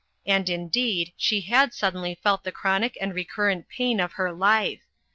And, indeed, she had suddenly felt the chronic and recurrent pain of her life.